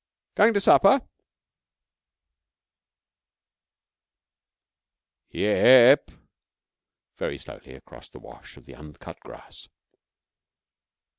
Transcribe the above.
'Going to supper?' 'Ye ep,' very slowly across the wash of the uncut grass.